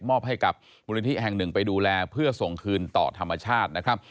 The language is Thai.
อบให้กับมูลนิธิแห่งหนึ่งไปดูแลเพื่อส่งคืนต่อธรรมชาตินะครับ